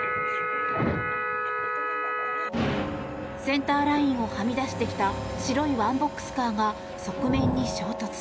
センターラインをはみ出してきた白いワンボックスカーが側面に衝突。